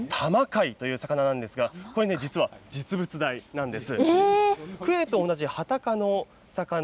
タマカイという魚なんですが、これね、実は実物大なんです。